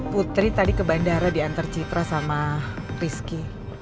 putri tadi ke bandara diantar citra sama rizky